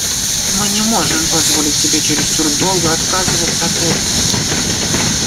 Мы не можем позволить себе чересчур долго отказываться от этого.